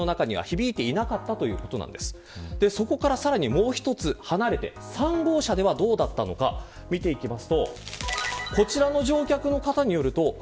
もう１つ離れた３号車ではどうだったのか見ていきます。